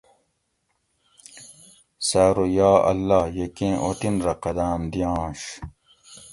سہ ارو یا اللّٰہ یہ کیں اوطن رہ قدام دیاںش